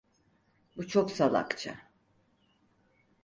Bu çok salakça.